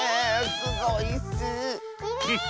すごいッス！